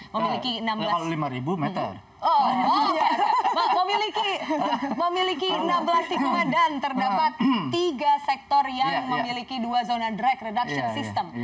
memiliki enam belas sikma dan terdapat tiga sektor yang memiliki dua zona drect reduction system